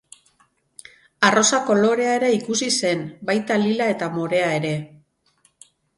Arrosa kolorea ere ikusi zen, baita lila eta morea ere.